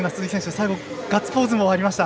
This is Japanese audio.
最後にガッツポーズありました。